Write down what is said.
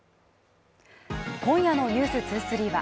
今夜の「ｎｅｗｓ２３」は